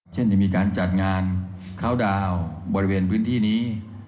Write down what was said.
เช่นจะมีการจัดงานเข้าดาวน์บริเวณพื้นที่นี้